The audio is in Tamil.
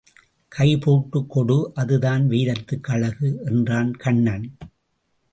கைபோட்டுக் கொடு அது தான் வீரத்துக்கு அழகு என்றான் கண்ணன்.